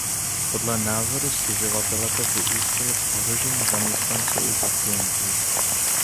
Podle názoru stěžovatele to vyústilo v ohrožení zaměstnanců i pacientů.